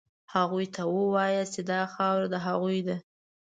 هغوی ته ووایاست چې دا خاوره د هغوی ده.